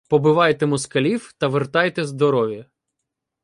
— Побивайте москалів та вертайте здорові!